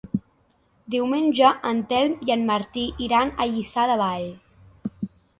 Diumenge en Telm i en Martí iran a Lliçà de Vall.